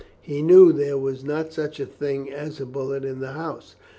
He knew there was not such a thing as a bullet in the house.